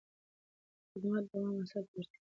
خدمت د دوام اصل ته اړتیا لري.